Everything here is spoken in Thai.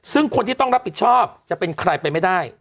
ซึ่งคนที่ต้องรับผิดชอบจะเป็นใครไปไม่ได้